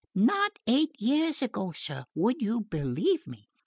Not eight years ago, sir would you believe me?